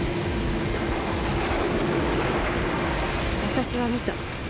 私は見た。